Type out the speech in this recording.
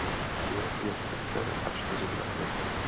Měl pět sester a čtyři bratry.